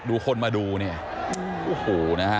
ดูคนมาดูเนี่ย